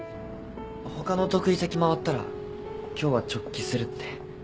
他のお得意先回ったら今日は直帰するって。